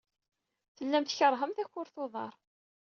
Tellam tkeṛhem takurt n uḍar.